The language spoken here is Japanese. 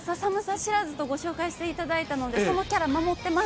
知らずとご紹介していただいたので、そのキャラを守ってます。